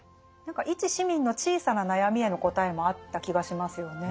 何か一市民の小さな悩みへの答えもあった気がしますよね。